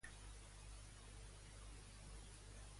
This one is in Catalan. Quins autors van parlar sobre l'Atena Varvakeion?